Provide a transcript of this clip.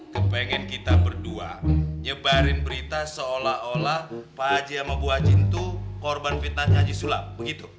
kepengen kita berdua nyebarin berita seolah olah pak haji sama bu ajin itu korban fitnah haji sulap begitu